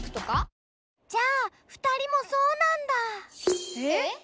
じゃあ２人もそうなんだ。え？